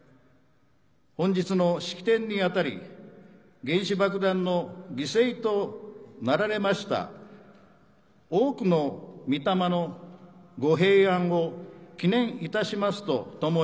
本日の式典にあたり原子爆弾の犠牲となられました多くの御霊のご平安をこのあと、献水が行われます。